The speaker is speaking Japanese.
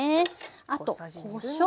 あとこしょう。